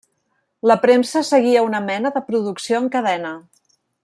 La premsa seguia una mena de producció en cadena.